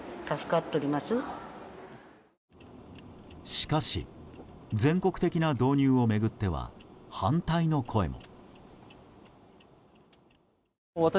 しかし、全国的な導入を巡っては反対の声も。